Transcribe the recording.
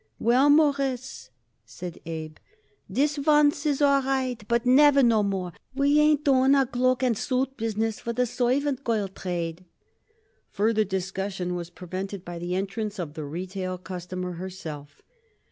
"Well, Mawruss," said Abe, "this once is all right, but never no more. We ain't doing a cloak and suit business for the servant girl trade." Further discussion was prevented by the entrance of the retail customer herself.